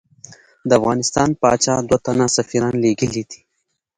د افغانستان پاچا دوه تنه سفیران لېږلی دي.